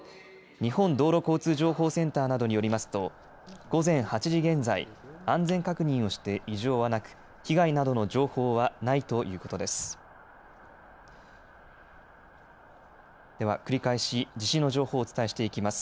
日本道路交通情報センターなどによりますと午前８時現在、安全確認をして異常はなく被害などの情報はないということです。